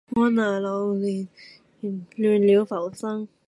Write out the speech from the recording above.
我拿流年，亂了浮生